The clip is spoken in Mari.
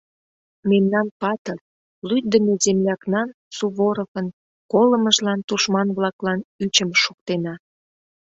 Мемнан патыр, лӱддымӧ землякнан — Суворовын — колымыжлан тушман-влаклан ӱчым шуктена!»